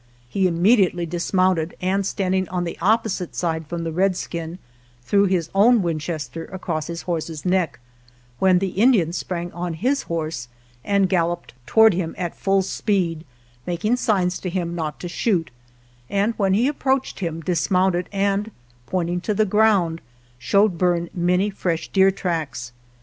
He immediately dismounted, and standing on the opposite side from the red skin, threw his own Winchester across his horse's neck, when the Indian sprang on his horse and galloped toward him at full 95 GERONIMO speed, making signs to him not to shoot, and when he approached him, dismounted and pointing to the ground, showed Berne many fresh deer tracks.